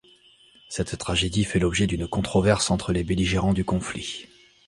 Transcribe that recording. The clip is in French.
Cette tragédie fait l'objet d'une controverse entre les belligérants du conflit.